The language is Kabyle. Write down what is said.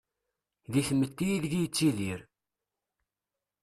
Di tmetti ideg-i yettidir.